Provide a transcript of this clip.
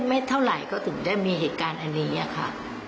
ไม่เท่าไหร่ก็ถึงได้มีเหตุการณ์อันนี้ค่ะ